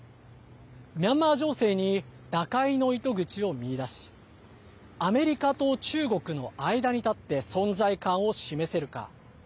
ミャンマー情勢に打開の糸口を見いだしアメリカと中国の間に立って存在感を示せるか。